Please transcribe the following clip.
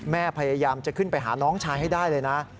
พยายามจะขึ้นไปหาน้องชายให้ได้เลยนะ